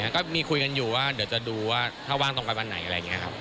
ก็มีคุยกันอยู่ว่าเดี๋ยวจะดูว่าถ้าว่างตรงไปวันไหนอะไรอย่างนี้ครับ